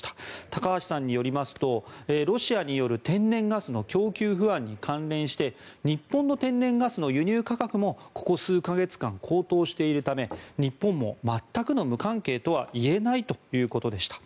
高橋さんによりますとロシアによる天然ガスの供給不安に関連して日本の天然ガスの輸入価格もここ数か月間高騰しているため日本も全くの無関係とは言えないということでした。